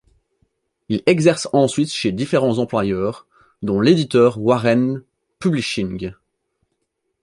Il exerce ensuite chez différents employeurs, dont l’éditeur Warren Publishing.